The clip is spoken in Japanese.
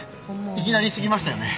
いきなりすぎましたよね。